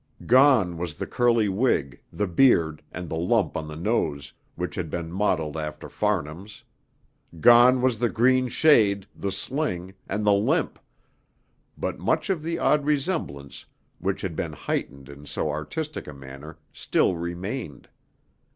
Gone was the curly wig, the beard, and the lump on the nose, which had been modelled after Farnham's; gone was the green shade, the sling, and the limp, but much of the odd resemblance, which had been heightened in so artistic a manner, still remained.